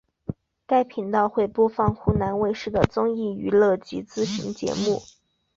该频道会播放湖南卫视的综艺娱乐及资讯节目。